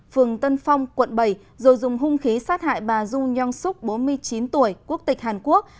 phường tân phong quận bảy rồi dùng hung khí sát hại bà du nhong súc bốn mươi chín tuổi quốc tịch hàn quốc